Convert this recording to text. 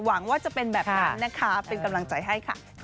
หวังว่าจะเป็นแบบนั้นนะคะเป็นกำลังใจให้ค่ะ